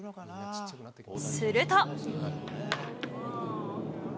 すると。